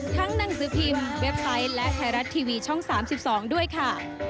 หนังสือพิมพ์เว็บไซต์และไทยรัฐทีวีช่อง๓๒ด้วยค่ะ